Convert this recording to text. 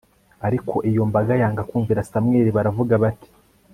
ariko iyo mbaga yanga kumvira samweli, baravuga bati